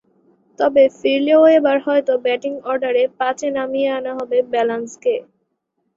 তবে ফিরলেও এবার হয়তো ব্যাটিং অর্ডারে পাঁচে নামিয়ে আনা হবে ব্যালান্সকে।